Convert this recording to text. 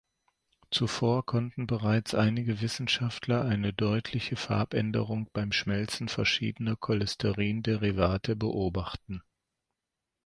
Zuvor konnten bereits einige Wissenschaftler eine deutliche Farbänderung beim Schmelzen verschiedener Cholesterin-Derivate beobachten.